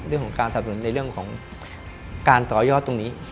เรื่องของการต่อยอดตรงนี้